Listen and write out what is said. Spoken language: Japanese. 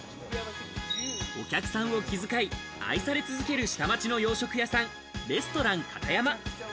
お客さんを気遣い、愛され続ける下町の洋食屋さん、レストランカタヤマ。